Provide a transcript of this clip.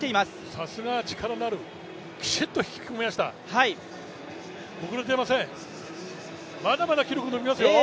さすが力のある、きちっと引き込みました、遅れていません。